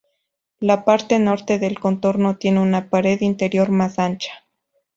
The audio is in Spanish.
La parte norte del contorno tiene una pared interior más ancha.